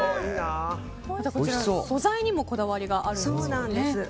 こちら、素材にもこだわりがあるそうなんですよね。